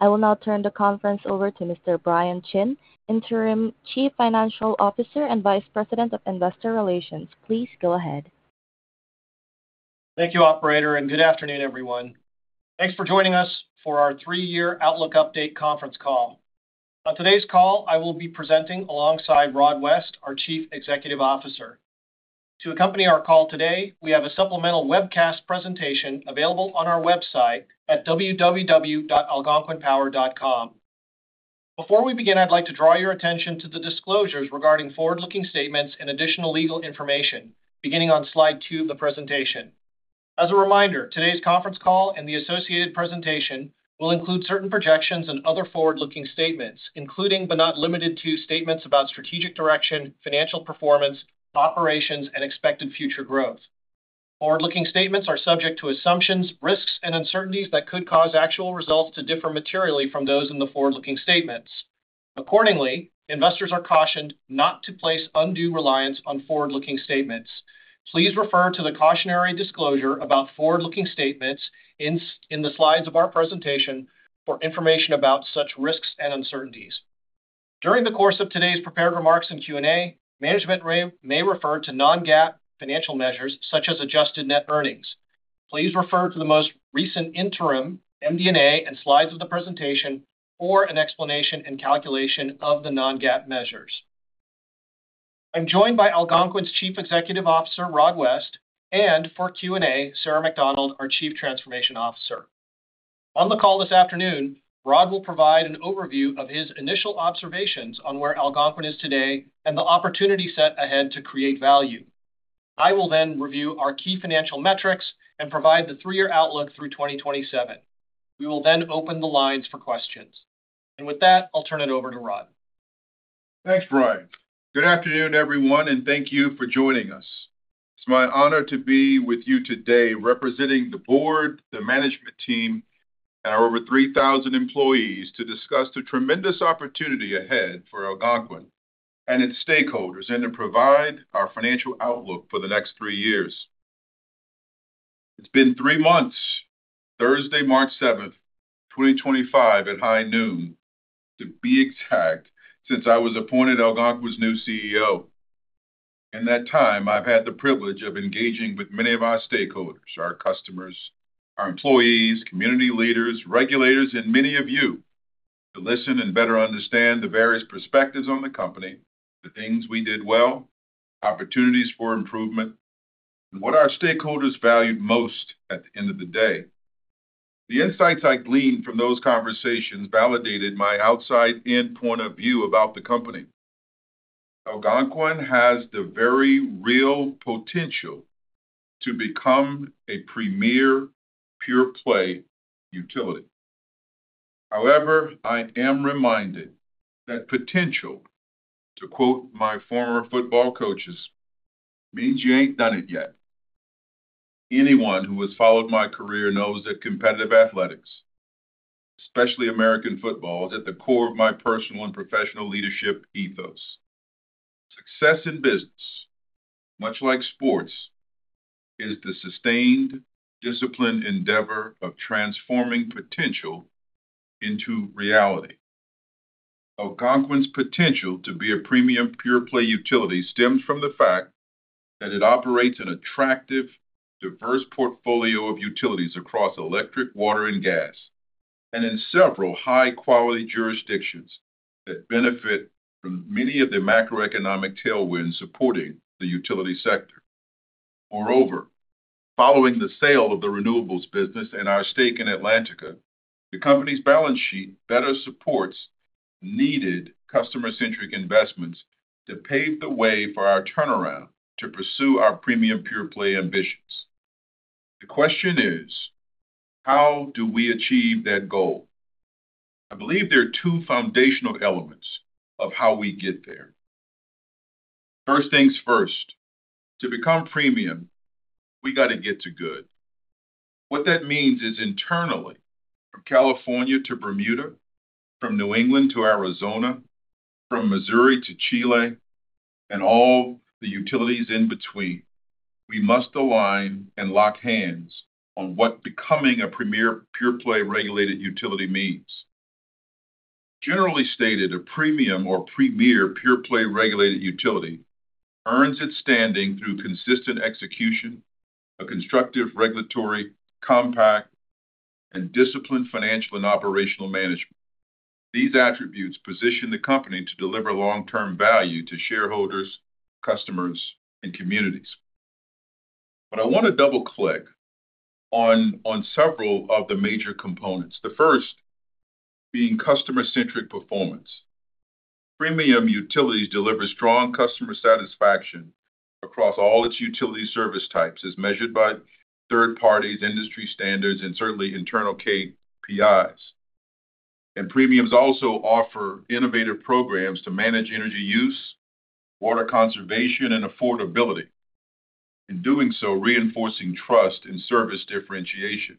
I will now turn the conference over to Mr. Brian Chin, Interim Chief Financial Officer and Vice President of Investor Relations. Please go ahead. Thank you, Operator, and good afternoon, everyone. Thanks for joining us for our three-year Outlook Update conference call. On today's call, I will be presenting alongside Rod West, our Chief Executive Officer. To accompany our call today, we have a supplemental webcast presentation available on our website at www.algonquinpower.com. Before we begin, I'd like to draw your attention to the disclosures regarding forward-looking statements and additional legal information, beginning on slide two of the presentation. As a reminder, today's conference call and the associated presentation will include certain projections and other forward-looking statements, including, but not limited to, statements about strategic direction, financial performance, operations, and expected future growth. Forward-looking statements are subject to assumptions, risks, and uncertainties that could cause actual results to differ materially from those in the forward-looking statements. Accordingly, investors are cautioned not to place undue reliance on forward-looking statements. Please refer to the cautionary disclosure about forward-looking statements in the slides of our presentation for information about such risks and uncertainties. During the course of today's prepared remarks and Q&A, management may refer to non-GAAP financial measures such as adjusted net earnings. Please refer to the most recent interim MD&A and slides of the presentation for an explanation and calculation of the non-GAAP measures. I'm joined by Algonquin's Chief Executive Officer, Rod West, and for Q&A, Sarah MacDonald, our Chief Transformation Officer. On the call this afternoon, Rod will provide an overview of his initial observations on where Algonquin is today and the opportunity set ahead to create value. I will then review our key financial metrics and provide the three-year outlook through 2027. We will then open the lines for questions. With that, I'll turn it over to Rod. Thanks, Brian. Good afternoon, everyone, and thank you for joining us. It's my honor to be with you today, representing the board, the management team, and our over 3,000 employees, to discuss the tremendous opportunity ahead for Algonquin and its stakeholders and to provide our financial outlook for the next three years. It's been three months, Thursday, March 7, 2025, at high noon, to be exact, since I was appointed Algonquin's new CEO. In that time, I've had the privilege of engaging with many of our stakeholders, our customers, our employees, community leaders, regulators, and many of you to listen and better understand the various perspectives on the company, the things we did well, opportunities for improvement, and what our stakeholders valued most at the end of the day. The insights I gleaned from those conversations validated my outside-in point of view about the company. Algonquin has the very real potential to become a premier pure-play utility. However, I am reminded that potential, to quote my former football coaches, means you ain't done it yet. Anyone who has followed my career knows that competitive athletics, especially American football, is at the core of my personal and professional leadership ethos. Success in business, much like sports, is the sustained, disciplined endeavor of transforming potential into reality. Algonquin's potential to be a premium pure-play utility stems from the fact that it operates an attractive, diverse portfolio of utilities across electric, water, and gas, and in several high-quality jurisdictions that benefit from many of the macroeconomic tailwinds supporting the utility sector. Moreover, following the sale of the renewables business and our stake in Atlantica, the company's balance sheet better supports needed customer-centric investments to pave the way for our turnaround to pursue our premium pure-play ambitions. The question is, how do we achieve that goal? I believe there are two foundational elements of how we get there. First things first, to become premium, we got to get to good. What that means is, internally, from California to Bermuda, from New England to Arizona, from Missouri to Chile, and all the utilities in between, we must align and lock hands on what becoming a premier pure-play regulated utility means. Generally stated, a premium or premier pure-play regulated utility earns its standing through consistent execution, a constructive, regulatory, compact, and disciplined financial and operational management. These attributes position the company to deliver long-term value to shareholders, customers, and communities. I want to double-click on several of the major components, the first being customer-centric performance. Premium utilities deliver strong customer satisfaction across all its utility service types, as measured by third-party industry standards and certainly internal KPIs. Premiums also offer innovative programs to manage energy use, water conservation, and affordability, and in doing so, reinforcing trust and service differentiation.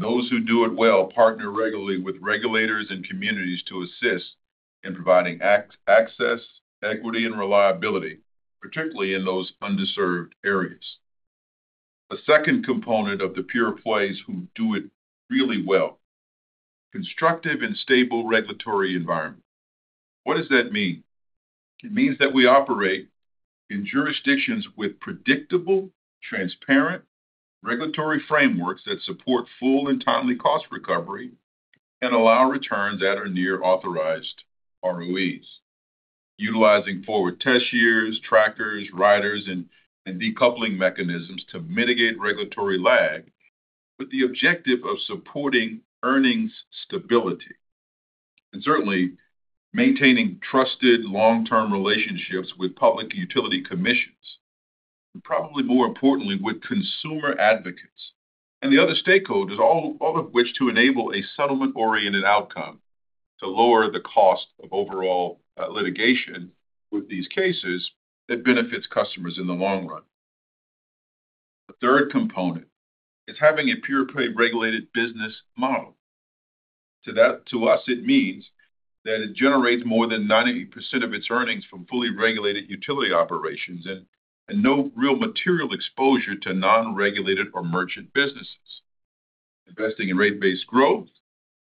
Those who do it well partner regularly with regulators and communities to assist in providing access, equity, and reliability, particularly in those underserved areas. A second component of the pure-plays who do it really well is a constructive and stable regulatory environment. What does that mean? It means that we operate in jurisdictions with predictable, transparent regulatory frameworks that support full and timely cost recovery and allow returns at or near authorized ROEs, utilizing forward test years, trackers, riders, and decoupling mechanisms to mitigate regulatory lag with the objective of supporting earnings stability and certainly maintaining trusted long-term relationships with public utility commissions and probably more importantly, with consumer advocates and the other stakeholders, all of which to enable a settlement-oriented outcome to lower the cost of overall litigation with these cases that benefits customers in the long run. The third component is having a pure-play regulated business model. To us, it means that it generates more than 90% of its earnings from fully regulated utility operations and no real material exposure to non-regulated or merchant businesses, investing in rate-based growth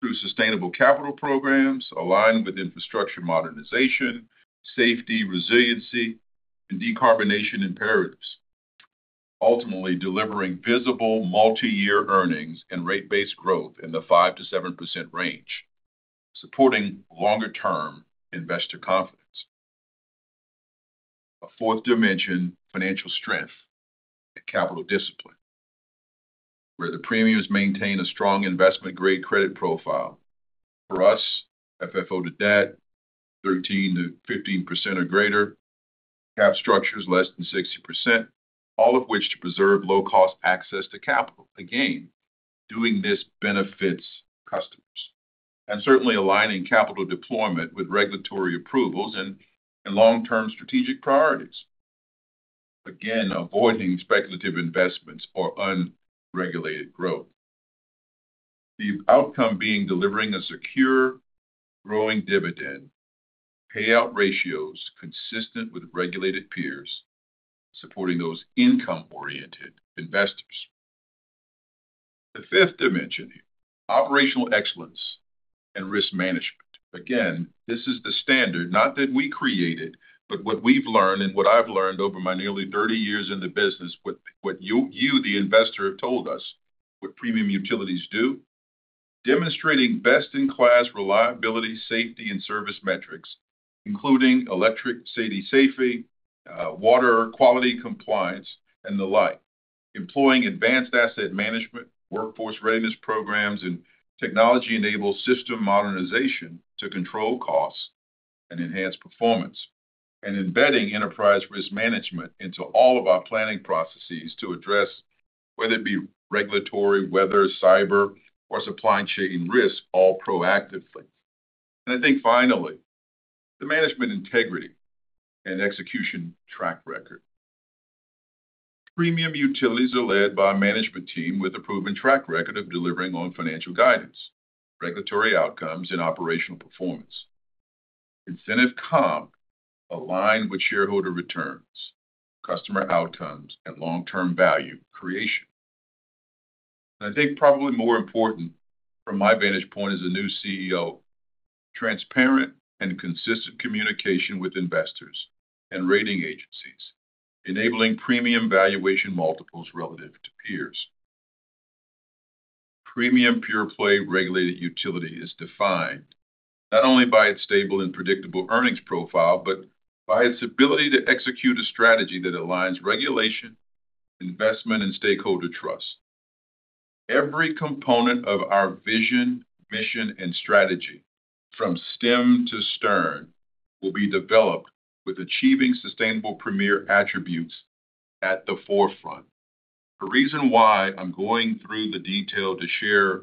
through sustainable capital programs aligned with infrastructure modernization, safety, resiliency, and decarbonation imperatives, ultimately delivering visible multi-year earnings and rate-based growth in the 5-7% range, supporting longer-term investor confidence. A fourth dimension: financial strength and capital discipline, where the premiums maintain a strong investment-grade credit profile. For us, FFO to debt 13-15% or greater, cap structures less than 60%, all of which to preserve low-cost access to capital. Again, doing this benefits customers and certainly aligning capital deployment with regulatory approvals and long-term strategic priorities, again, avoiding speculative investments or unregulated growth. The outcome being delivering a secure, growing dividend, payout ratios consistent with regulated peers, supporting those income-oriented investors. The fifth dimension: operational excellence and risk management. Again, this is the standard not that we created, but what we've learned and what I've learned over my nearly 30 years in the business, what you, the investor, have told us, what premium utilities do, demonstrating best-in-class reliability, safety, and service metrics, including electric safety, water quality compliance, and the like, employing advanced asset management, workforce readiness programs, and technology-enabled system modernization to control costs and enhance performance, and embedding enterprise risk management into all of our planning processes to address whether it be regulatory, weather, cyber, or supply chain risk, all proactively. I think finally, the management integrity and execution track record. Premium utilities are led by a management team with a proven track record of delivering on financial guidance, regulatory outcomes, and operational performance. Incentive comp aligned with shareholder returns, customer outcomes, and long-term value creation. I think probably more important from my vantage point as a new CEO, transparent and consistent communication with investors and rating agencies, enabling premium valuation multiples relative to peers. Premium pure-play regulated utility is defined not only by its stable and predictable earnings profile, but by its ability to execute a strategy that aligns regulation, investment, and stakeholder trust. Every component of our vision, mission, and strategy, from stem to stern, will be developed with achieving sustainable premier attributes at the forefront. The reason why I'm going through the detail to share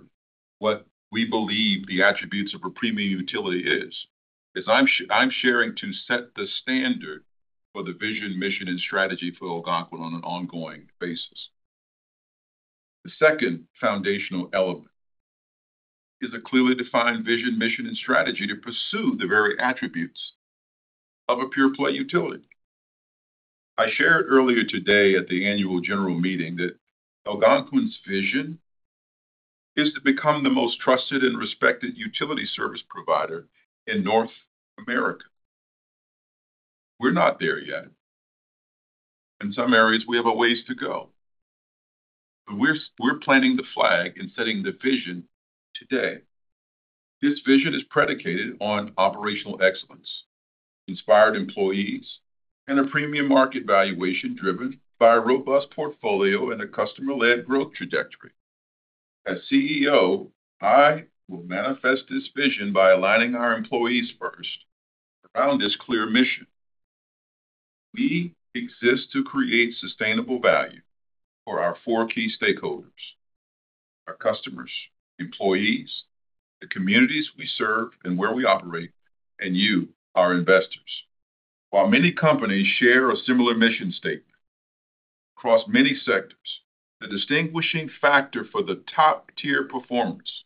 what we believe the attributes of a premium utility is, is I'm sharing to set the standard for the vision, mission, and strategy for Algonquin on an ongoing basis. The second foundational element is a clearly defined vision, mission, and strategy to pursue the very attributes of a pure-play utility. I shared earlier today at the annual general meeting that Algonquin's vision is to become the most trusted and respected utility service provider in North America. We're not there yet. In some areas, we have a ways to go. We are planting the flag and setting the vision today. This vision is predicated on operational excellence, inspired employees, and a premium market valuation driven by a robust portfolio and a customer-led growth trajectory. As CEO, I will manifest this vision by aligning our employees first around this clear mission. We exist to create sustainable value for our four key stakeholders: our customers, employees, the communities we serve and where we operate, and you, our investors. While many companies share a similar mission statement across many sectors, the distinguishing factor for the top-tier performance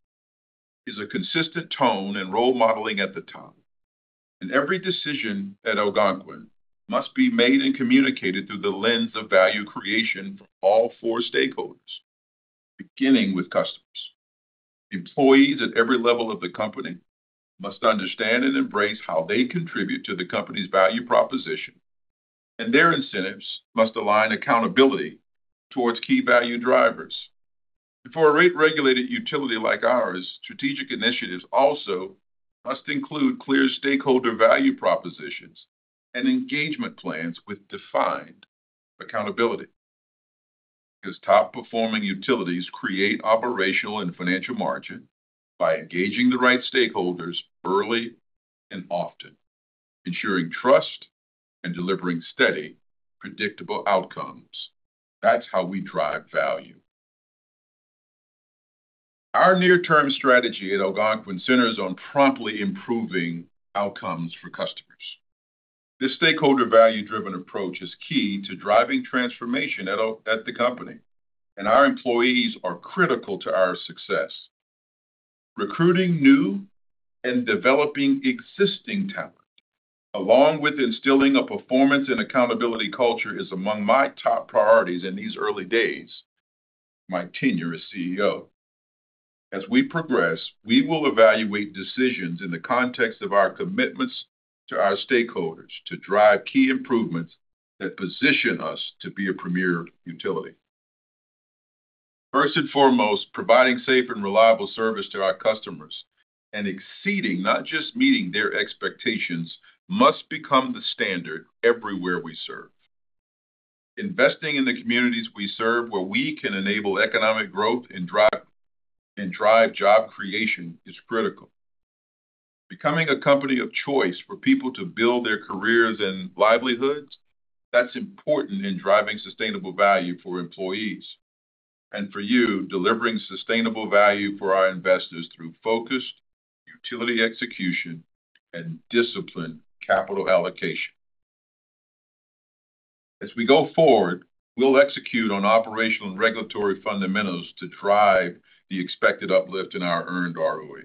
is a consistent tone and role modeling at the top. Every decision at Algonquin must be made and communicated through the lens of value creation for all four stakeholders, beginning with customers. Employees at every level of the company must understand and embrace how they contribute to the company's value proposition, and their incentives must align accountability towards key value drivers. For a rate-regulated utility like ours, strategic initiatives also must include clear stakeholder value propositions and engagement plans with defined accountability because top-performing utilities create operational and financial margin by engaging the right stakeholders early and often, ensuring trust and delivering steady, predictable outcomes. That is how we drive value. Our near-term strategy at Algonquin centers on promptly improving outcomes for customers. This stakeholder value-driven approach is key to driving transformation at the company, and our employees are critical to our success. Recruiting new and developing existing talent, along with instilling a performance and accountability culture, is among my top priorities in these early days of my tenure as CEO. As we progress, we will evaluate decisions in the context of our commitments to our stakeholders to drive key improvements that position us to be a premier utility. First and foremost, providing safe and reliable service to our customers and exceeding, not just meeting, their expectations must become the standard everywhere we serve. Investing in the communities we serve, where we can enable economic growth and drive job creation, is critical. Becoming a company of choice for people to build their careers and livelihoods, that's important in driving sustainable value for employees and for you, delivering sustainable value for our investors through focused utility execution and disciplined capital allocation. As we go forward, we'll execute on operational and regulatory fundamentals to drive the expected uplift in our earned ROE.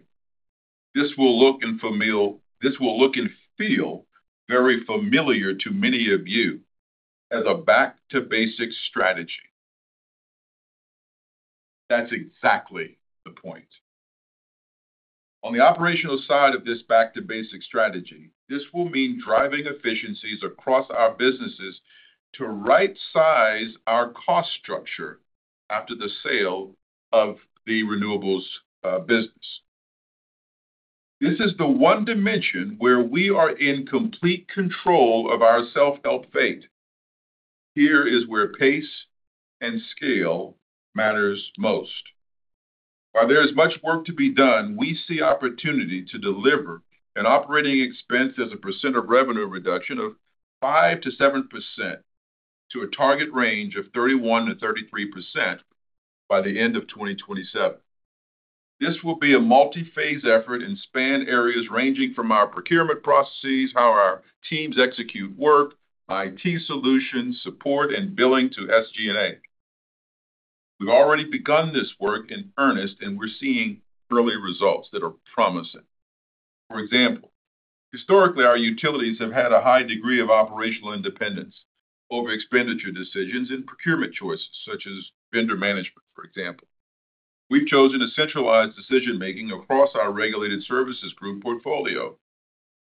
This will look and feel very familiar to many of you as a back-to-basic strategy. That's exactly the point. On the operational side of this back-to-basic strategy, this will mean driving efficiencies across our businesses to right-size our cost structure after the sale of the renewables business. This is the one dimension where we are in complete control of our self-help fate. Here is where pace and scale matters most. While there is much work to be done, we see opportunity to deliver an operating expense as a percent of revenue reduction of five to seven percent to a target range of 31-33% by the end of 2027. This will be a multi-phase effort and span areas ranging from our procurement processes, how our teams execute work, IT solutions, support, and billing to SG&A. We've already begun this work in earnest, and we're seeing early results that are promising. For example, historically, our utilities have had a high degree of operational independence over expenditure decisions and procurement choices, such as vendor management, for example. We've chosen a centralized decision-making across our regulated services group portfolio.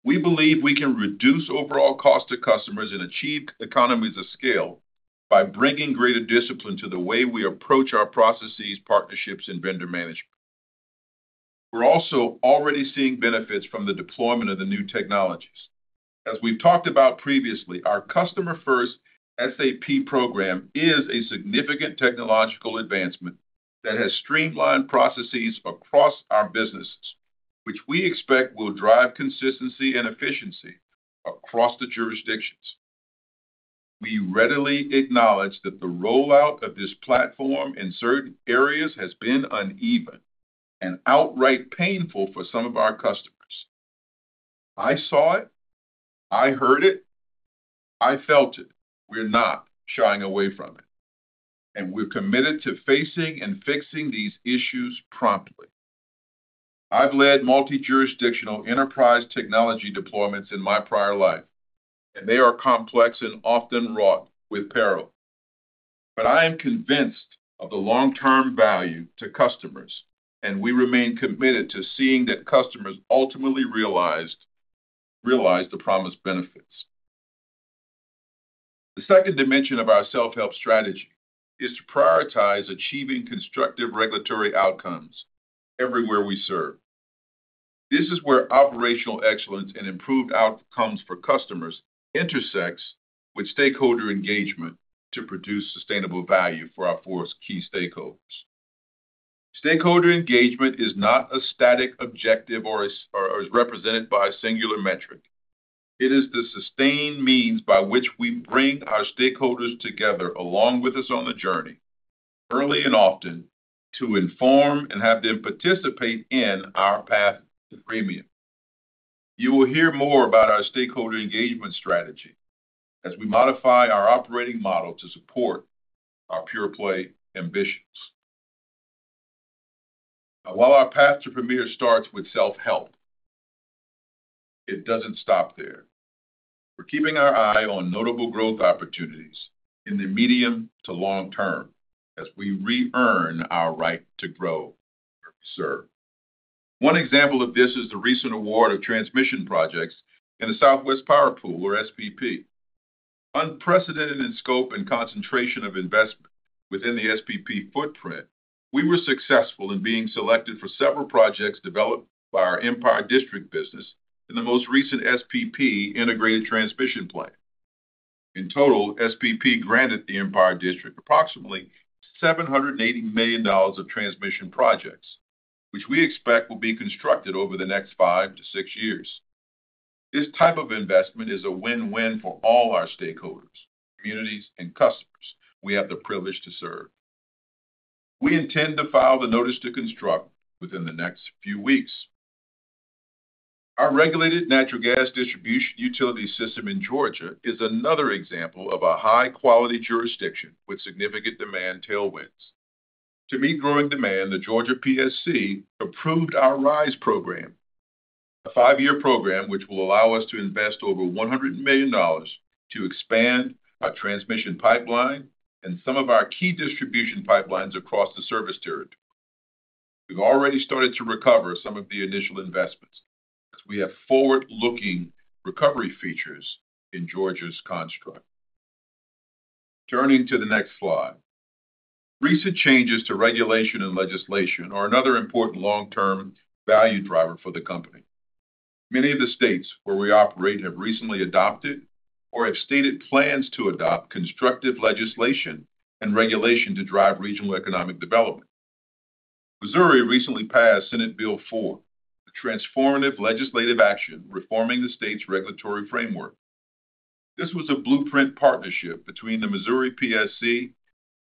We believe we can reduce overall cost to customers and achieve economies of scale by bringing greater discipline to the way we approach our processes, partnerships, and vendor management. We're also already seeing benefits from the deployment of the new technologies. As we've talked about previously, our customer-first SAP program is a significant technological advancement that has streamlined processes across our businesses, which we expect will drive consistency and efficiency across the jurisdictions. We readily acknowledge that the rollout of this platform in certain areas has been uneven and outright painful for some of our customers. I saw it. I heard it. I felt it. We're not shying away from it, and we're committed to facing and fixing these issues promptly. I've led multi-jurisdictional enterprise technology deployments in my prior life, and they are complex and often wrought with peril. I am convinced of the long-term value to customers, and we remain committed to seeing that customers ultimately realized the promised benefits. The second dimension of our self-help strategy is to prioritize achieving constructive regulatory outcomes everywhere we serve. This is where operational excellence and improved outcomes for customers intersects with stakeholder engagement to produce sustainable value for our four key stakeholders. Stakeholder engagement is not a static objective or is represented by a singular metric. It is the sustained means by which we bring our stakeholders together along with us on the journey, early and often, to inform and have them participate in our path to premium. You will hear more about our stakeholder engagement strategy as we modify our operating model to support our pure-play ambitions. While our path to premium starts with self-help, it does not stop there. We are keeping our eye on notable growth opportunities in the medium to long term as we re-earn our right to grow where we serve. One example of this is the recent award of transmission projects in the Southwest Power Pool, or SPP. Unprecedented in scope and concentration of investment within the SPP footprint, we were successful in being selected for several projects developed by our Empire District business in the most recent SPP integrated transmission plan. In total, SPP granted the Empire District approximately $780 million of transmission projects, which we expect will be constructed over the next five to six years. This type of investment is a win-win for all our stakeholders, communities, and customers we have the privilege to serve. We intend to file the notice to construct within the next few weeks. Our regulated natural gas distribution utility system in Georgia is another example of a high-quality jurisdiction with significant demand tailwinds. To meet growing demand, the Georgia PSC approved our RISE program, a five-year program which will allow us to invest over $100 million to expand our transmission pipeline and some of our key distribution pipelines across the service territory. We've already started to recover some of the initial investments as we have forward-looking recovery features in Georgia's construct. Turning to the next slide, recent changes to regulation and legislation are another important long-term value driver for the company. Many of the states where we operate have recently adopted or have stated plans to adopt constructive legislation and regulation to drive regional economic development. Missouri recently passed Senate Bill 4, a transformative legislative action reforming the state's regulatory framework. This was a blueprint partnership between the Missouri PSC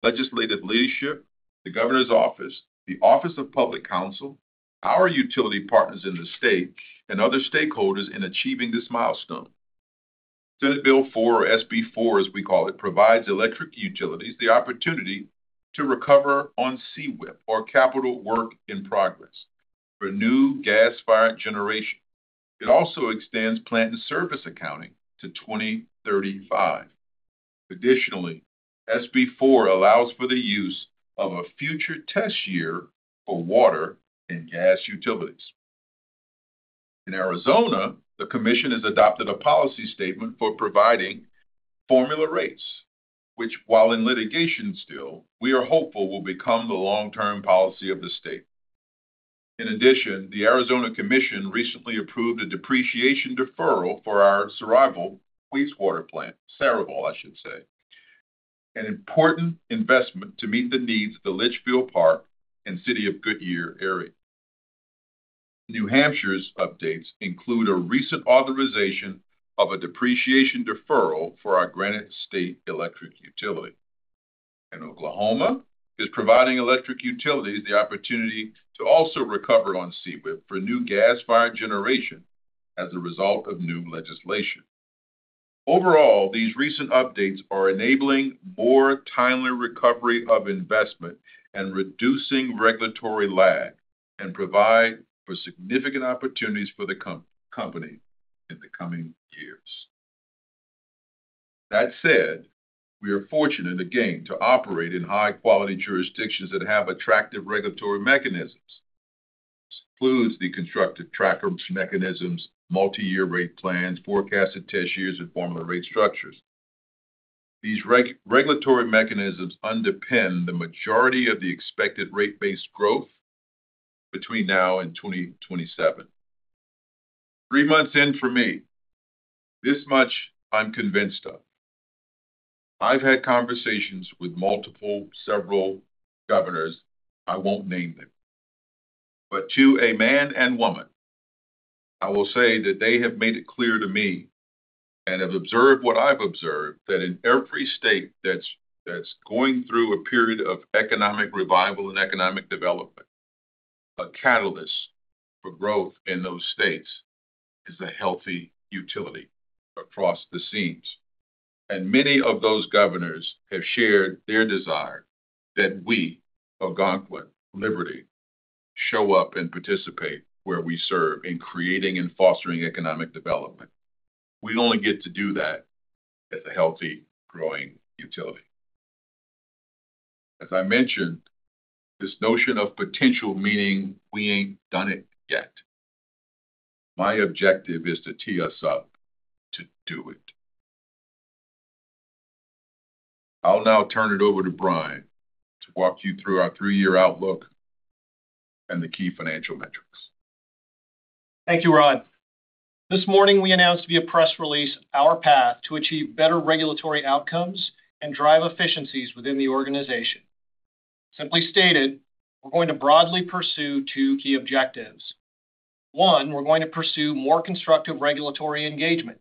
legislative leadership, the governor's office, the Office of Public Counsel, our utility partners in the state, and other stakeholders in achieving this milestone. Senate Bill 4, or SB 4, as we call it, provides electric utilities the opportunity to recover on CWIP, or Capital Work in Progress, for new gas-fired generation. It also extends plant and service accounting to 2035. Additionally, SB 4 allows for the use of a future test year for water and gas utilities. In Arizona, the commission has adopted a policy statement for providing formula rates, which, while in litigation still, we are hopeful will become the long-term policy of the state. In addition, the Arizona commission recently approved a depreciation deferral for our Saraval wastewater plant, Saraval, I should say, an important investment to meet the needs of the Litchfield Park and City of Goodyear area. New Hampshire's updates include a recent authorization of a depreciation deferral for our Granite State Electric Utility. Oklahoma is providing electric utilities the opportunity to also recover on CWIP for new gas-fired generation as a result of new legislation. Overall, these recent updates are enabling more timely recovery of investment and reducing regulatory lag and provide for significant opportunities for the company in the coming years. That said, we are fortunate, again, to operate in high-quality jurisdictions that have attractive regulatory mechanisms. This includes the constructive trackers mechanisms, multi-year rate plans, forecasted test years, and formula rate structures. These regulatory mechanisms underpin the majority of the expected rate-based growth between now and 2027. Three months in for me. This much I'm convinced of. I've had conversations with multiple, several governors. I won't name them. To a man and woman, I will say that they have made it clear to me and have observed what I've observed that in every state that's going through a period of economic revival and economic development, a catalyst for growth in those states is a healthy utility across the seams. Many of those governors have shared their desire that we, Algonquin Liberty, show up and participate where we serve in creating and fostering economic development. We only get to do that as a healthy, growing utility. As I mentioned, this notion of potential meaning we ain't done it yet. My objective is to tee us up to do it. I'll now turn it over to Brian to walk you through our three-year outlook and the key financial metrics. Thank you, Rod. This morning, we announced via press release our path to achieve better regulatory outcomes and drive efficiencies within the organization. Simply stated, we're going to broadly pursue two key objectives. One, we're going to pursue more constructive regulatory engagement.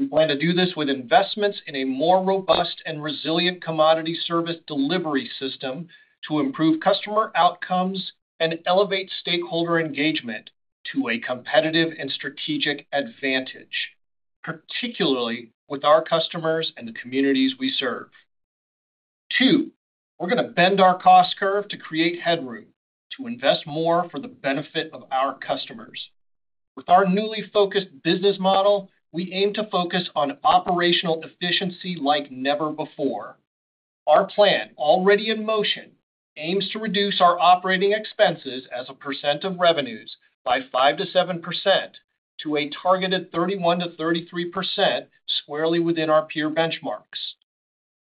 We plan to do this with investments in a more robust and resilient commodity service delivery system to improve customer outcomes and elevate stakeholder engagement to a competitive and strategic advantage, particularly with our customers and the communities we serve. Two, we're going to bend our cost curve to create headroom to invest more for the benefit of our customers. With our newly focused business model, we aim to focus on operational efficiency like never before. Our plan, already in motion, aims to reduce our operating expenses as a % of revenues by 5-7% to a targeted 31-33% squarely within our peer benchmarks.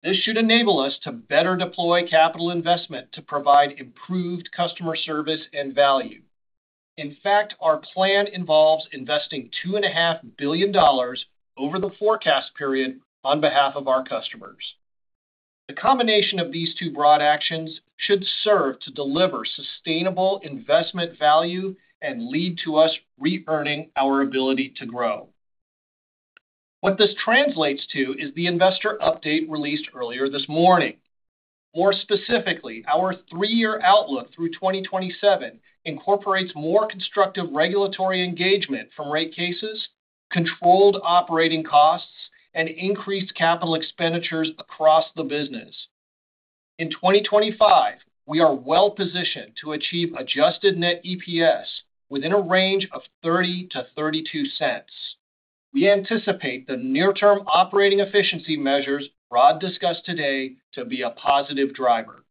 This should enable us to better deploy capital investment to provide improved customer service and value. In fact, our plan involves investing $2.5 billion over the forecast period on behalf of our customers. The combination of these two broad actions should serve to deliver sustainable investment value and lead to us re-earning our ability to grow. What this translates to is the investor update released earlier this morning. More specifically, our three-year outlook through 2027 incorporates more constructive regulatory engagement from rate cases, controlled operating costs, and increased capital expenditures across the business. In 2025, we are well positioned to achieve adjusted net EPS within a range of $0.30-$0.32. We anticipate the near-term operating efficiency measures Rod discussed today to be a positive driver.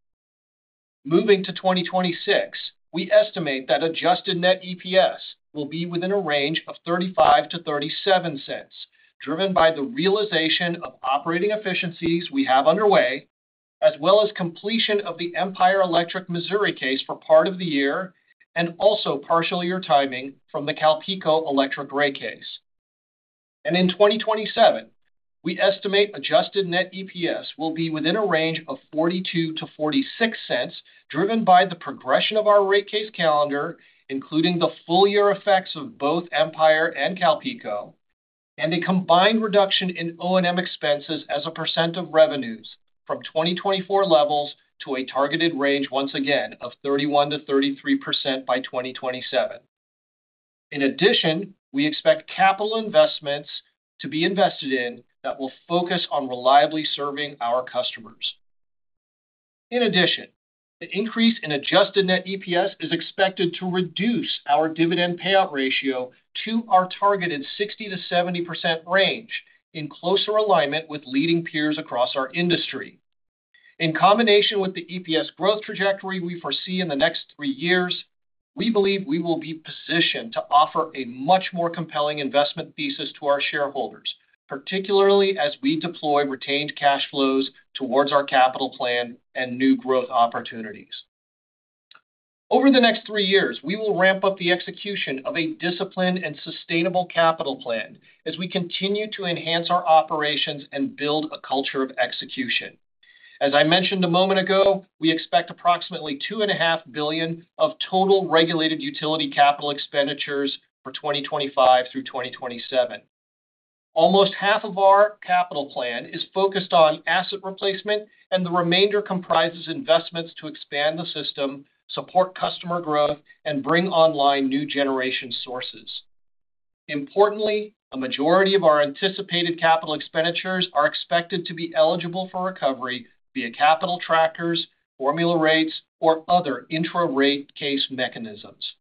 Moving to 2026, we estimate that adjusted net EPS will be within a range of $0.35-$0.37, driven by the realization of operating efficiencies we have underway, as well as completion of the Empire Electric Missouri case for part of the year and also partial year timing from the Calpico Electric Ray case. In 2027, we estimate adjusted net EPS will be within a range of $0.42-$0.46, driven by the progression of our rate case calendar, including the full year effects of both Empire and Calpico, and a combined reduction in O&M expenses as a % of revenues from 2024 levels to a targeted range once again of 31%-33% by 2027. In addition, we expect capital investments to be invested in that will focus on reliably serving our customers. In addition, the increase in adjusted net EPS is expected to reduce our dividend payout ratio to our targeted 60%-70% range in closer alignment with leading peers across our industry. In combination with the EPS growth trajectory we foresee in the next three years, we believe we will be positioned to offer a much more compelling investment thesis to our shareholders, particularly as we deploy retained cash flows towards our capital plan and new growth opportunities. Over the next three years, we will ramp up the execution of a disciplined and sustainable capital plan as we continue to enhance our operations and build a culture of execution. As I mentioned a moment ago, we expect approximately $2.5 billion of total regulated utility capital expenditures for 2025 through 2027. Almost half of our capital plan is focused on asset replacement, and the remainder comprises investments to expand the system, support customer growth, and bring online new generation sources. Importantly, a majority of our anticipated capital expenditures are expected to be eligible for recovery via capital trackers, formula rates, or other intra-rate case mechanisms.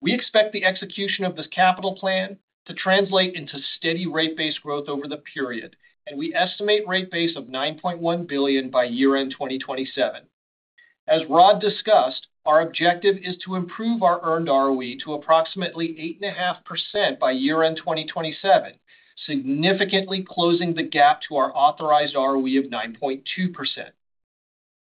We expect the execution of this capital plan to translate into steady rate-based growth over the period, and we estimate rate base of $9.1 billion by year-end 2027. As Rod discussed, our objective is to improve our earned ROE to approximately 8.5% by year-end 2027, significantly closing the gap to our authorized ROE of 9.2%.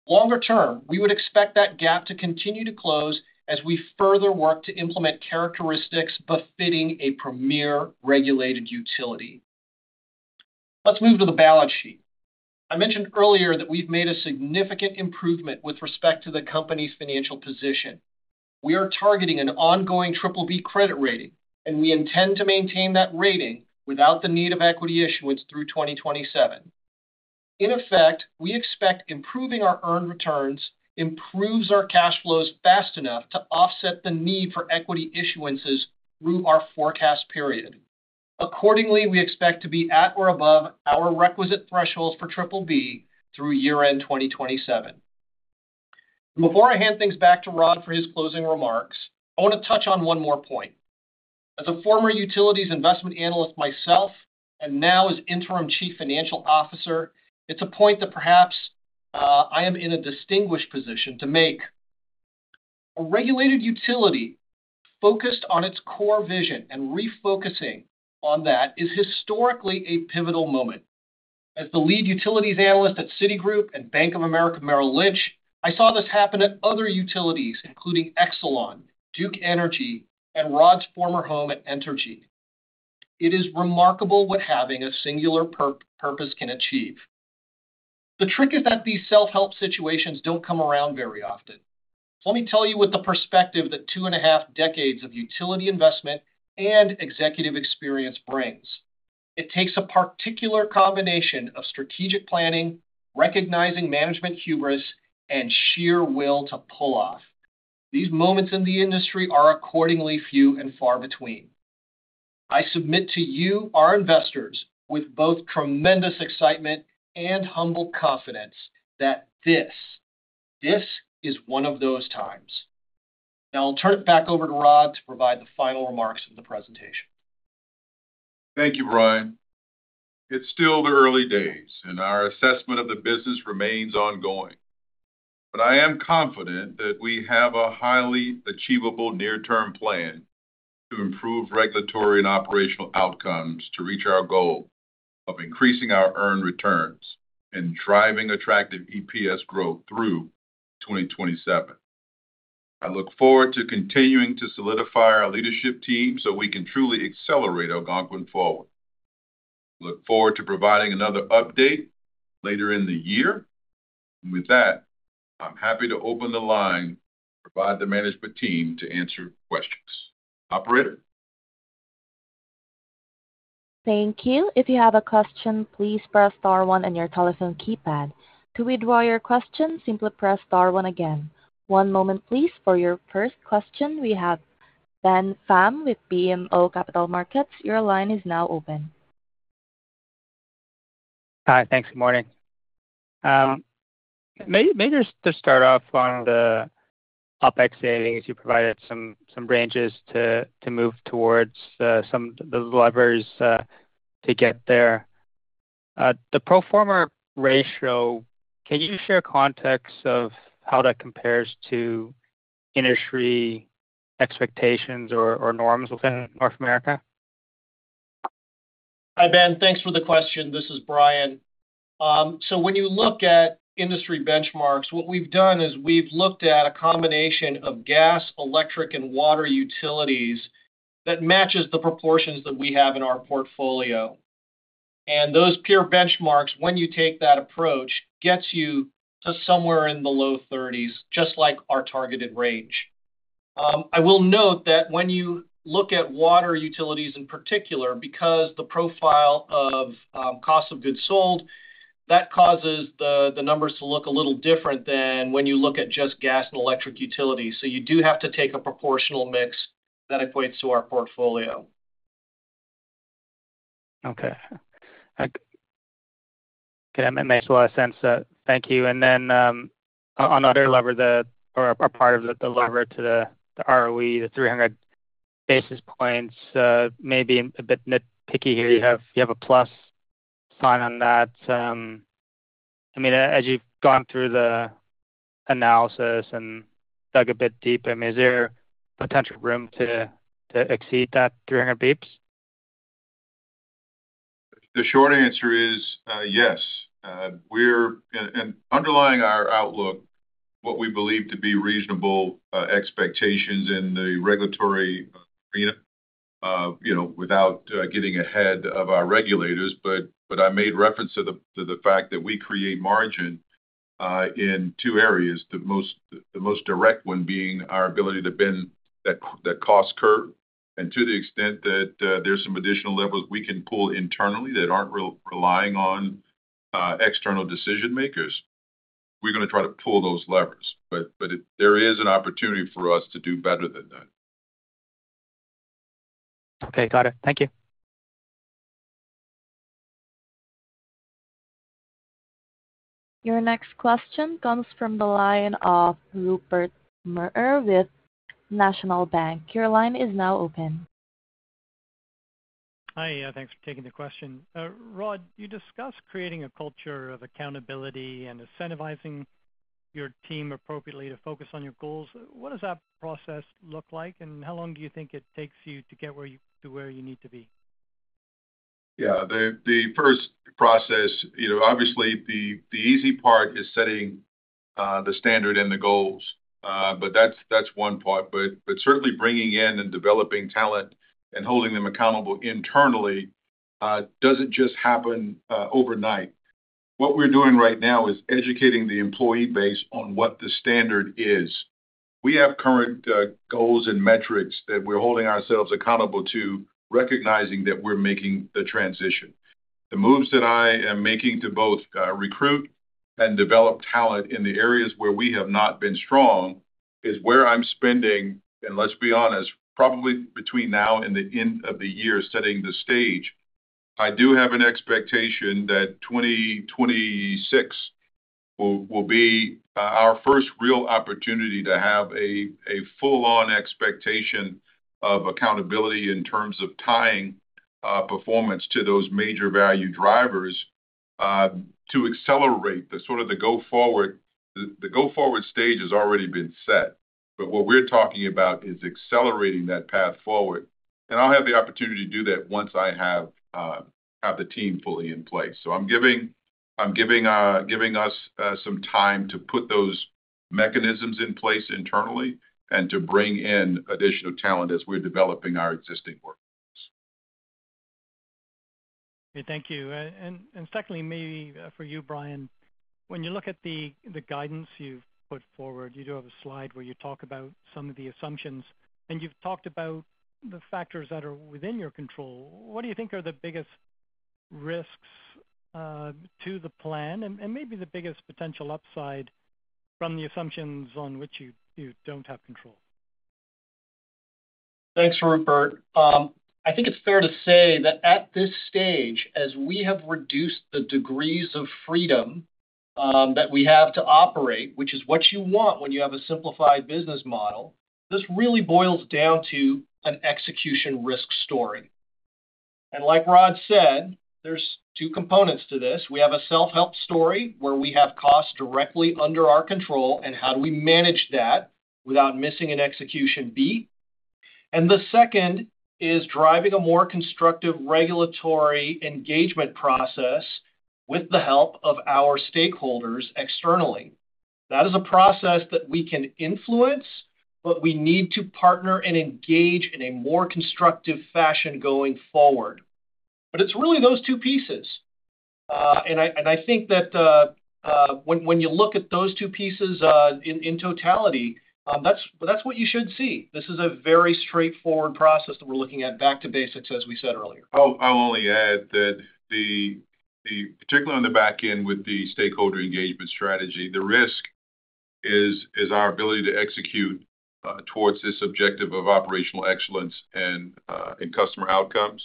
Longer term, we would expect that gap to continue to close as we further work to implement characteristics befitting a premier regulated utility. Let's move to the balance sheet. I mentioned earlier that we've made a significant improvement with respect to the company's financial position. We are targeting an ongoing Triple B credit rating, and we intend to maintain that rating without the need of equity issuance through 2027. In effect, we expect improving our earned returns improves our cash flows fast enough to offset the need for equity issuances through our forecast period. Accordingly, we expect to be at or above our requisite thresholds for Triple B through year-end 2027. Before I hand things back to Rod for his closing remarks, I want to touch on one more point. As a former utilities investment analyst myself and now as Interim Chief Financial Officer, it's a point that perhaps I am in a distinguished position to make. A regulated utility focused on its core vision and refocusing on that is historically a pivotal moment. As the lead utilities analyst at Citigroup and Bank of America Merrill Lynch, I saw this happen at other utilities, including Exelon, Duke Energy, and Rod's former home at Entergy. It is remarkable what having a singular purpose can achieve. The trick is that these self-help situations do not come around very often. Let me tell you with the perspective that two and a half decades of utility investment and executive experience brings. It takes a particular combination of strategic planning, recognizing management hubris, and sheer will to pull off. These moments in the industry are accordingly few and far between. I submit to you, our investors, with both tremendous excitement and humble confidence that this is one of those times. Now, I will turn it back over to Rod to provide the final remarks of the presentation. Thank you, Brian. It is still the early days, and our assessment of the business remains ongoing. I am confident that we have a highly achievable near-term plan to improve regulatory and operational outcomes to reach our goal of increasing our earned returns and driving attractive EPS growth through 2027. I look forward to continuing to solidify our leadership team so we can truly accelerate Algonquin forward. I look forward to providing another update later in the year. With that, I'm happy to open the line to provide the management team to answer questions. Operator. Thank you. If you have a question, please press star one on your telephone keypad. To withdraw your question, simply press star one again. One moment, please. For your first question, we have Ben Pham with BMO Capital Markets. Your line is now open. Hi. Thanks. Good morning. Maybe just to start off on the OPEX savings, you provided some ranges to move towards some of the levers to get there. The pro forma ratio, can you share context of how that compares to industry expectations or norms within North America? Hi, Ben. Thanks for the question. This is Brian. When you look at industry benchmarks, what we have done is we have looked at a combination of gas, electric, and water utilities that matches the proportions that we have in our portfolio. Those peer benchmarks, when you take that approach, get you to somewhere in the low 30s, just like our targeted range. I will note that when you look at water utilities in particular, because the profile of cost of goods sold, that causes the numbers to look a little different than when you look at just gas and electric utilities. You do have to take a proportional mix that equates to our portfolio. Okay. That makes a lot of sense. Thank you. Then on another lever, or a part of the lever to the ROE, the 300 basis points, maybe a bit nitpicky here. You have a plus sign on that. I mean, as you've gone through the analysis and dug a bit deeper, I mean, is there potential room to exceed that 300 basis points? The short answer is yes. And underlying our outlook, what we believe to be reasonable expectations in the regulatory arena without getting ahead of our regulators. I made reference to the fact that we create margin in two areas, the most direct one being our ability to bend that cost curve. To the extent that there's some additional levers we can pull internally that aren't relying on external decision-makers, we're going to try to pull those levers. There is an opportunity for us to do better than that. Okay. Got it. Thank you. Your next question comes from the line of Rupert Merer with National Bank. Your line is now open. Hi. Thanks for taking the question. Rod, you discussed creating a culture of accountability and incentivizing your team appropriately to focus on your goals. What does that process look like, and how long do you think it takes you to get to where you need to be? Yeah. The first process, obviously, the easy part is setting the standard and the goals. That is one part. Certainly, bringing in and developing talent and holding them accountable internally does not just happen overnight. What we are doing right now is educating the employee base on what the standard is. We have current goals and metrics that we are holding ourselves accountable to, recognizing that we are making the transition. The moves that I am making to both recruit and develop talent in the areas where we have not been strong is where I am spending, and let's be honest, probably between now and the end of the year setting the stage. I do have an expectation that 2026 will be our first real opportunity to have a full-on expectation of accountability in terms of tying performance to those major value drivers to accelerate the sort of the go forward. The go forward stage has already been set. What we're talking about is accelerating that path forward. I'll have the opportunity to do that once I have the team fully in place. I'm giving us some time to put those mechanisms in place internally and to bring in additional talent as we're developing our existing workforce. Okay. Thank you. Secondly, maybe for you, Brian, when you look at the guidance you've put forward, you do have a slide where you talk about some of the assumptions. You've talked about the factors that are within your control. What do you think are the biggest risks to the plan and maybe the biggest potential upside from the assumptions on which you do not have control? Thanks, Rupert. I think it is fair to say that at this stage, as we have reduced the degrees of freedom that we have to operate, which is what you want when you have a simplified business model, this really boils down to an execution risk story. Like Rod said, there are two components to this. We have a self-help story where we have costs directly under our control, and how do we manage that without missing an execution beep? The second is driving a more constructive regulatory engagement process with the help of our stakeholders externally. That is a process that we can influence, but we need to partner and engage in a more constructive fashion going forward. But it's really those two pieces. I think that when you look at those two pieces in totality, that's what you should see. This is a very straightforward process that we're looking at back to basics, as we said earlier. I'll only add that particularly on the back end with the stakeholder engagement strategy, the risk is our ability to execute towards this objective of operational excellence and customer outcomes.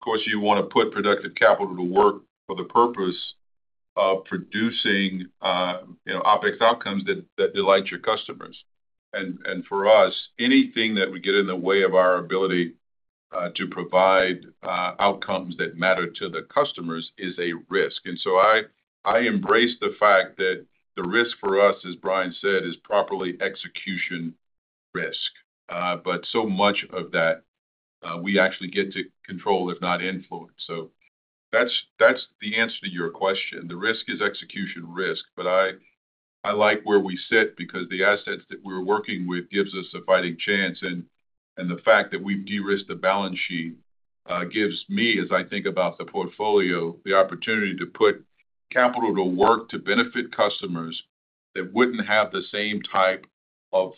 Of course, you want to put productive capital to work for the purpose of producing OPEX outcomes that delight your customers. For us, anything that would get in the way of our ability to provide outcomes that matter to the customers is a risk. I embrace the fact that the risk for us, as Brian said, is properly execution risk. So much of that we actually get to control, if not influence. That's the answer to your question. The risk is execution risk. I like where we sit because the assets that we're working with give us a fighting chance. The fact that we've de-risked the balance sheet gives me, as I think about the portfolio, the opportunity to put capital to work to benefit customers that would not have the same type of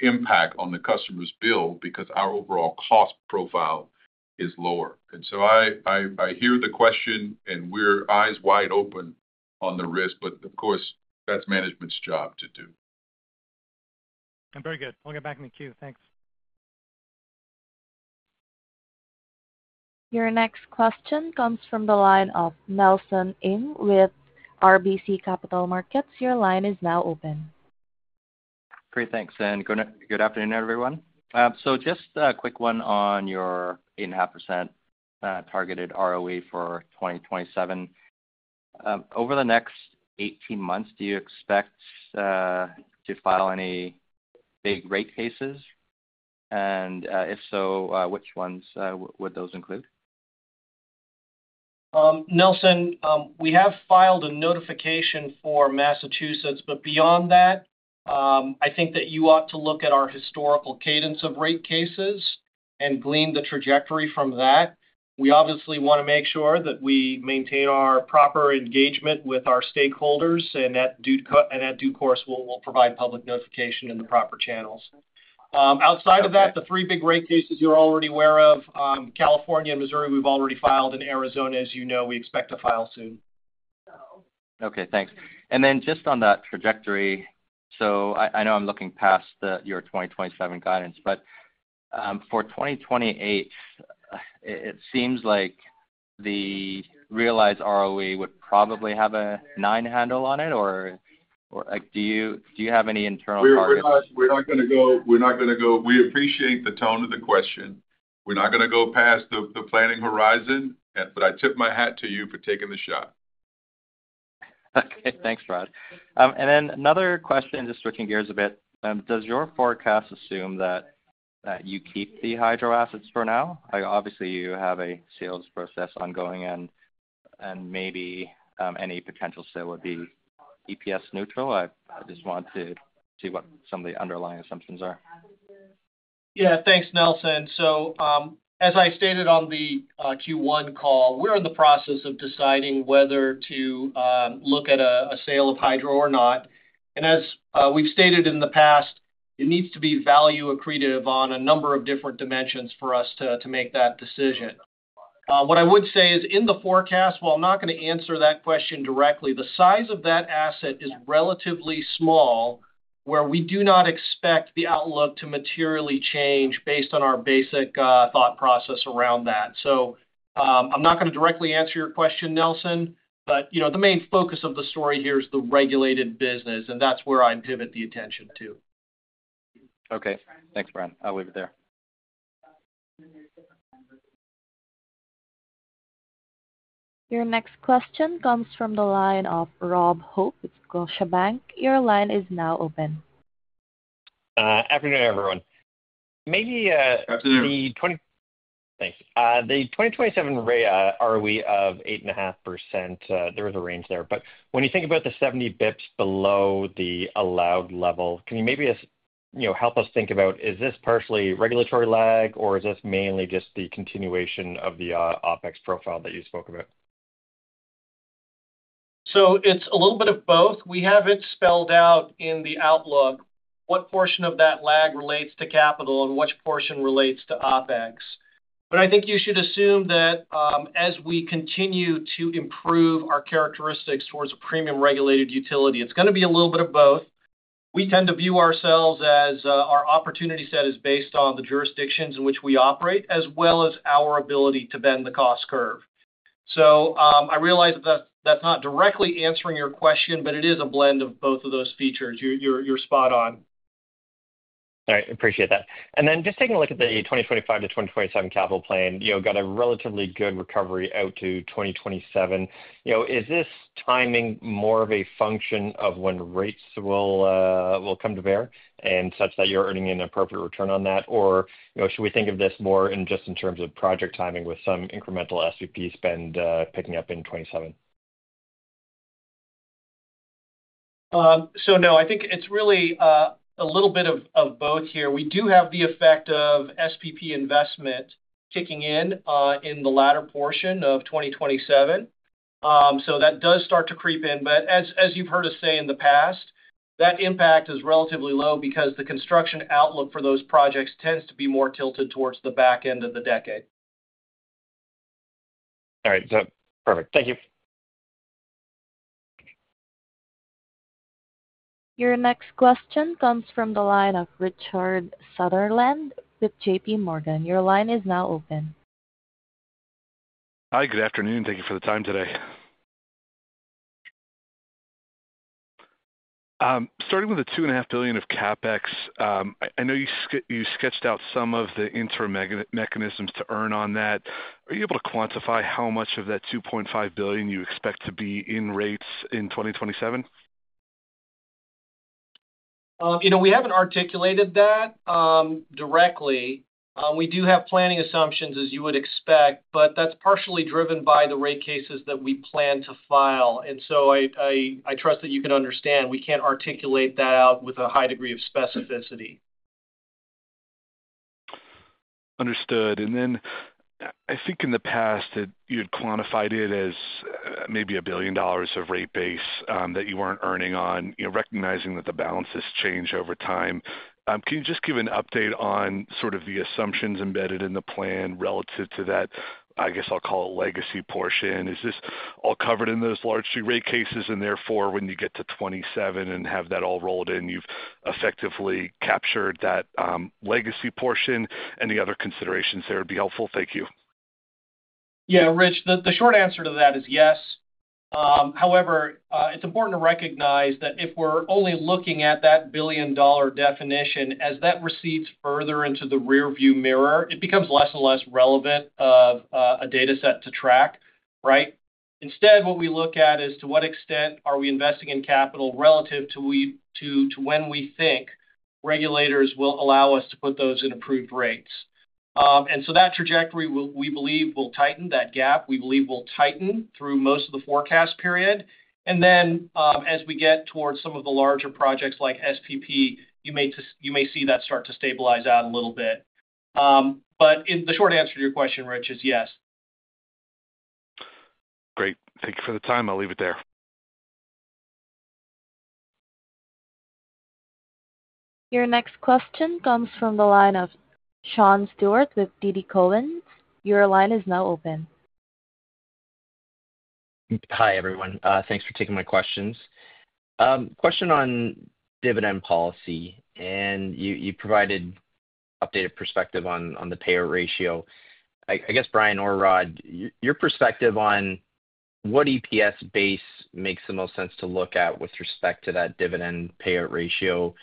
impact on the customer's bill because our overall cost profile is lower. I hear the question, and we're eyes wide open on the risk. Of course, that's management's job to do. Very good. We'll get back in the queue. Thanks. Your next question comes from the line of Nelson Ng with RBC Capital Markets. Your line is now open. Great. Thanks. Good afternoon, everyone. Just a quick one on your 8.5% targeted ROE for 2027. Over the next 18 months, do you expect to file any big rate cases? And if so, which ones would those include? Nelson, we have filed a notification for Massachusetts. Beyond that, I think that you ought to look at our historical cadence of rate cases and glean the trajectory from that. We obviously want to make sure that we maintain our proper engagement with our stakeholders. At due course, we'll provide public notification in the proper channels. Outside of that, the three big rate cases you're already aware of, California and Missouri, we've already filed. Arizona, as you know, we expect to file soon. Okay. Thanks. And then just on that trajectory, I know I'm looking past your 2027 guidance. For 2028, it seems like the realized ROE would probably have a nine handle on it. Or do you have any internal targets? We're not going to go, we appreciate the tone of the question. We're not going to go past the planning horizon. I tip my hat to you for taking the shot. Okay. Thanks, Rod. Another question, just switching gears a bit. Does your forecast assume that you keep the hydroassets for now? Obviously, you have a sales process ongoing, and maybe any potential sale would be EPS neutral. I just want to see what some of the underlying assumptions are. Yeah. Thanks, Nelson. As I stated on the Q1 call, we're in the process of deciding whether to look at a sale of hydro or not. As we've stated in the past, it needs to be value accretive on a number of different dimensions for us to make that decision. What I would say is in the forecast, I'm not going to answer that question directly. The size of that asset is relatively small, where we do not expect the outlook to materially change based on our basic thought process around that. I'm not going to directly answer your question, Nelson. The main focus of the story here is the regulated business, and that's where I'd pivot the attention to. Okay. Thanks, Brian. I'll leave it there. Your next question comes from the line of Rob Hope with Scotiabank. Your line is now open. Afternoon, everyone. Maybe the. Afternoon. Thanks. The 2027 ROE of 8.5%, there was a range there. When you think about the 70 basis points below the allowed level, can you maybe help us think about, is this partially regulatory lag, or is this mainly just the continuation of the OPEX profile that you spoke about? It is a little bit of both. We have it spelled out in the outlook what portion of that lag relates to capital and which portion relates to OPEX. I think you should assume that as we continue to improve our characteristics towards a premium regulated utility, it is going to be a little bit of both. We tend to view ourselves as our opportunity set is based on the jurisdictions in which we operate, as well as our ability to bend the cost curve. I realize that is not directly answering your question, but it is a blend of both of those features. You are spot on. All right. Appreciate that. Then just taking a look at the 2025 to 2027 capital plan, you got a relatively good recovery out to 2027. Is this timing more of a function of when rates will come to bear and such that you're earning an appropriate return on that? Or should we think of this more just in terms of project timing with some incremental SVP spend picking up in 2027? No, I think it's really a little bit of both here. We do have the effect of SVP investment kicking in in the latter portion of 2027. That does start to creep in. As you've heard us say in the past, that impact is relatively low because the construction outlook for those projects tends to be more tilted towards the back end of the decade. All right. Perfect. Thank you. Your next question comes from the line of Richard Sutherland with JPMorgan. Your line is now open. Hi. Good afternoon. Thank you for the time today. Starting with the $2.5 billion of CapEx, I know you sketched out some of the interim mechanisms to earn on that. Are you able to quantify how much of that $2.5 billion you expect to be in rates in 2027? We have not articulated that directly. We do have planning assumptions, as you would expect, but that is partially driven by the rate cases that we plan to file. I trust that you can understand we cannot articulate that out with a high degree of specificity. Understood. I think in the past, you had quantified it as maybe $1 billion of rate base that you were not earning on, recognizing that the balance has changed over time. Can you just give an update on sort of the assumptions embedded in the plan relative to that, I guess I'll call it legacy portion? Is this all covered in those large rate cases? Therefore, when you get to 2027 and have that all rolled in, you've effectively captured that legacy portion. Any other considerations there would be helpful? Thank you. Yeah, Rich, the short answer to that is yes. However, it's important to recognize that if we're only looking at that billion-dollar definition, as that recedes further into the rearview mirror, it becomes less and less relevant of a dataset to track, right? Instead, what we look at is to what extent are we investing in capital relative to when we think regulators will allow us to put those in approved rates. That trajectory, we believe, will tighten that gap. We believe we'll tighten through most of the forecast period. As we get towards some of the larger projects like SVP, you may see that start to stabilize out a little bit. The short answer to your question, Rich, is yes. Great. Thank you for the time. I'll leave it there. Your next question comes from the line of Sean Stewart with TD Cowen. Your line is now open. Hi, everyone. Thanks for taking my questions. Question on dividend policy. You provided updated perspective on the payout ratio. I guess, Brian or Rod, your perspective on what EPS base makes the most sense to look at with respect to that dividend payout ratio?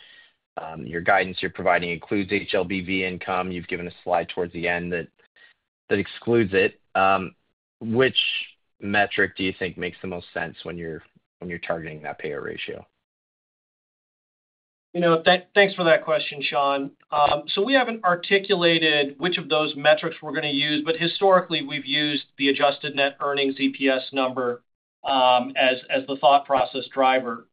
Your guidance you're providing includes HLBV income. You've given a slide towards the end that excludes it. Which metric do you think makes the most sense when you're targeting that payout ratio? Thanks for that question, Sean. We have not articulated which of those metrics we are going to use. Historically, we have used the adjusted net earnings EPS number as the thought process driver.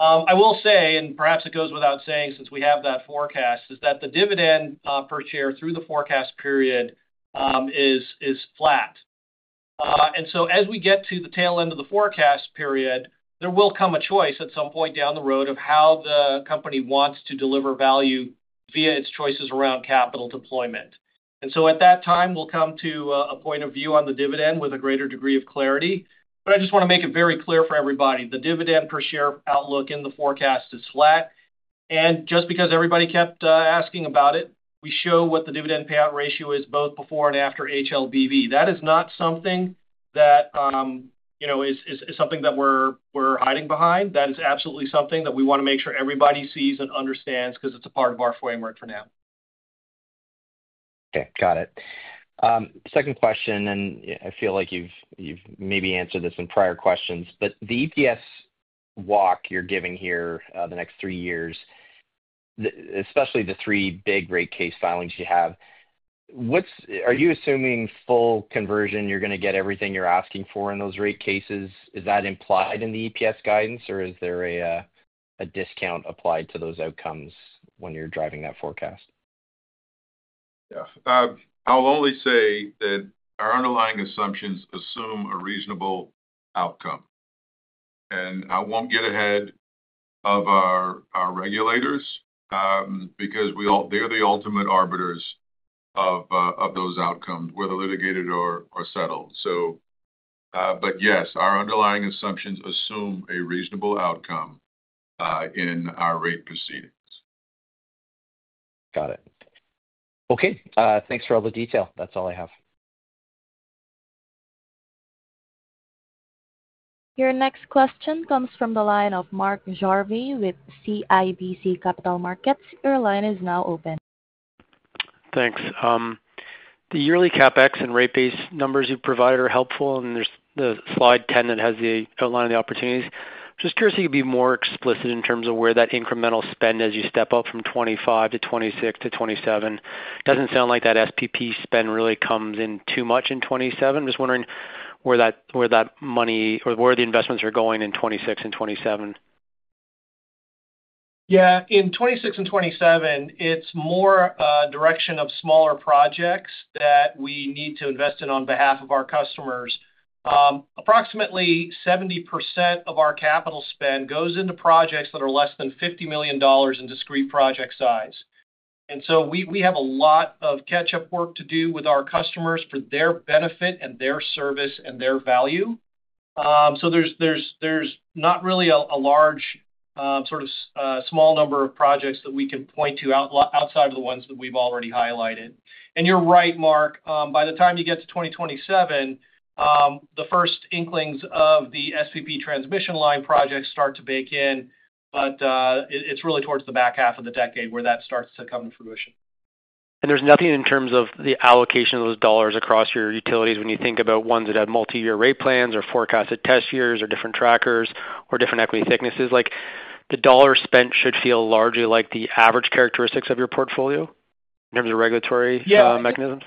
I will say, and perhaps it goes without saying since we have that forecast, that the dividend per share through the forecast period is flat. As we get to the tail end of the forecast period, there will come a choice at some point down the road of how the company wants to deliver value via its choices around capital deployment. At that time, we will come to a point of view on the dividend with a greater degree of clarity. I just want to make it very clear for everybody. The dividend per share outlook in the forecast is flat. Just because everybody kept asking about it, we show what the dividend payout ratio is both before and after HLBV. That is not something that we're hiding behind. That is absolutely something that we want to make sure everybody sees and understands because it's a part of our framework for now. Okay. Got it. Second question. I feel like you've maybe answered this in prior questions. The EPS walk you're giving here the next three years, especially the three big rate case filings you have, are you assuming full conversion? You're going to get everything you're asking for in those rate cases. Is that implied in the EPS guidance, or is there a discount applied to those outcomes when you're driving that forecast? Yeah. I'll only say that our underlying assumptions assume a reasonable outcome. I will not get ahead of our regulators because they are the ultimate arbiters of those outcomes, whether litigated or settled. Yes, our underlying assumptions assume a reasonable outcome in our rate proceedings. Got it. Okay. Thanks for all the detail. That is all I have. Your next question comes from the line of Mark Jarvey with CIBC Capital Markets. Your line is now open. Thanks. The yearly CapEx and rate-based numbers you provided are helpful. There is the slide 10 that has the outline of the opportunities. I am just curious if you could be more explicit in terms of where that incremental spend as you step up from 2025 to 2026 to 2027. It does not sound like that SVP spend really comes in too much in 2027. I am just wondering where that money or where the investments are going in 2026 and 2027. Yeah. In 2026 and 2027, it is more a direction of smaller projects that we need to invest in on behalf of our customers. Approximately 70% of our capital spend goes into projects that are less than $50 million in discrete project size. We have a lot of catch-up work to do with our customers for their benefit and their service and their value. There is not really a large sort of small number of projects that we can point to outside of the ones that we have already highlighted. You are right, Mark. By the time you get to 2027, the first inklings of the SVP transmission line projects start to bake in. It is really towards the back half of the decade where that starts to come to fruition. There is nothing in terms of the allocation of those dollars across your utilities when you think about ones that have multi-year rate plans or forecasted test years or different trackers or different equity thicknesses. The dollar spent should feel largely like the average characteristics of your portfolio in terms of regulatory mechanisms.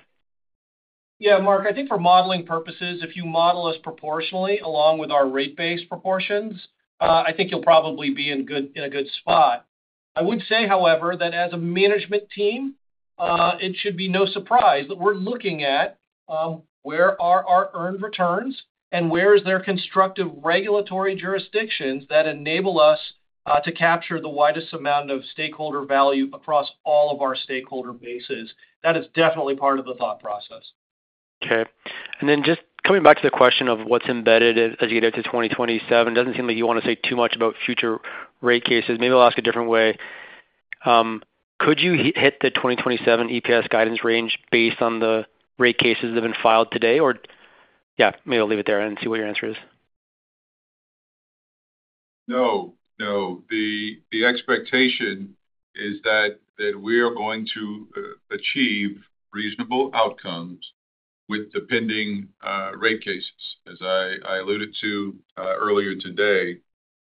Yeah. Yeah, Mark. I think for modeling purposes, if you model us proportionally along with our rate-based proportions, I think you'll probably be in a good spot. I would say, however, that as a management team, it should be no surprise that we're looking at where are our earned returns and where is there constructive regulatory jurisdictions that enable us to capture the widest amount of stakeholder value across all of our stakeholder bases. That is definitely part of the thought process. Okay. Just coming back to the question of what's embedded as you get to 2027, it does not seem like you want to say too much about future rate cases. Maybe I will ask a different way. Could you hit the 2027 EPS guidance range based on the rate cases that have been filed today? Or maybe I will leave it there and see what your answer is. No. No. The expectation is that we are going to achieve reasonable outcomes with the pending rate cases. As I alluded to earlier today,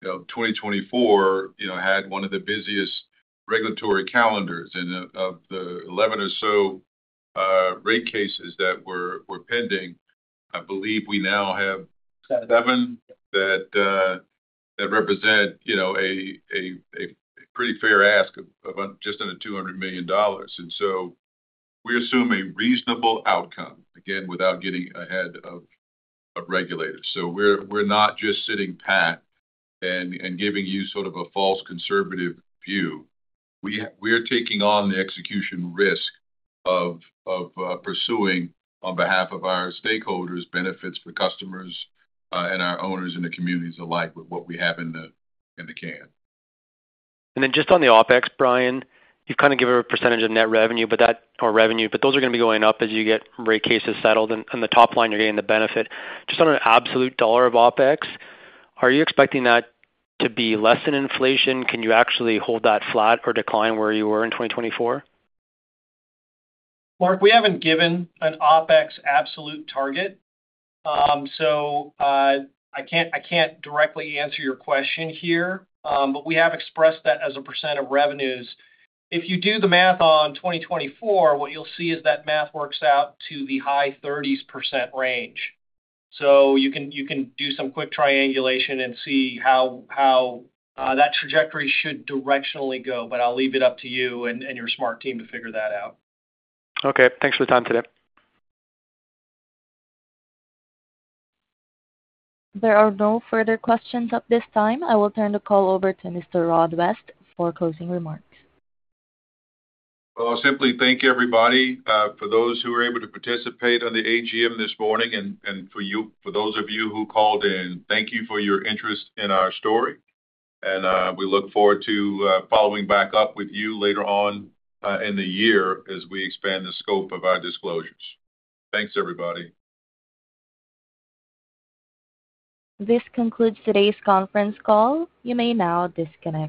2024 had one of the busiest regulatory calendars. Of the 11 or so rate cases that were pending, I believe we now have 7 that represent a pretty fair ask of just under $200 million. We assume a reasonable outcome, again, without getting ahead of regulators. We're not just sitting pat and giving you sort of a false conservative view. We are taking on the execution risk of pursuing, on behalf of our stakeholders, benefits for customers and our owners in the communities alike with what we have in the can. Just on the OPEX, Brian, you've kind of given a percentage of net revenue or revenue, but those are going to be going up as you get rate cases settled. The top line, you're getting the benefit. Just on an absolute dollar of OPEX, are you expecting that to be less than inflation? Can you actually hold that flat or decline where you were in 2024? Mark, we haven't given an OPEX absolute target. I can't directly answer your question here, but we have expressed that as a percent of revenues. If you do the math on 2024, what you'll see is that math works out to the high 30% range. You can do some quick triangulation and see how that trajectory should directionally go. I'll leave it up to you and your smart team to figure that out. Okay. Thanks for the time today. There are no further questions at this time. I will turn the call over to Mr. Rod West for closing remarks. I simply thank everybody. For those who were able to participate on the AGM this morning and for those of you who called in, thank you for your interest in our story. We look forward to following back up with you later on in the year as we expand the scope of our disclosures. Thanks, everybody. This concludes today's conference call. You may now disconnect.